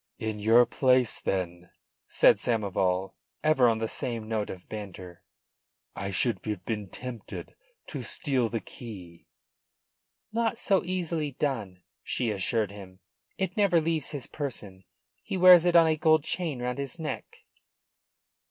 "In your place, then," said Samoval, ever on the same note of banter, "I should have been tempted to steal the key." "Not so easily done," she assured him. "It never leaves his person. He wears it on a gold chain round his neck."